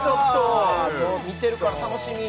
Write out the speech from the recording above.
見てるから楽しみ！